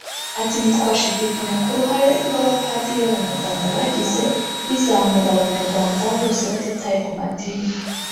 Ati “Ntitwashidikanya ku ruhare rw’abapadiri b’Abanyarwanda bagize bizamura abanyarwanda bose batitaye ku madini